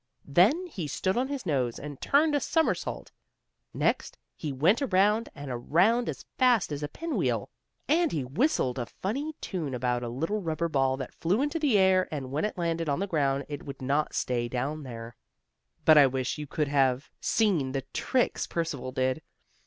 Then he stood on his nose and turned a somersault. Next he went around and around as fast as a pinwheel, and he whistled a funny tune about a little rubber ball that flew into the air, and when it landed on the ground it would not stay down there. But I wish you could have seen the tricks Percival did.